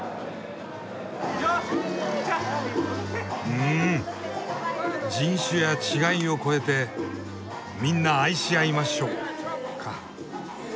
うん「人種や違いを越えてみんな愛し合いましょう」か。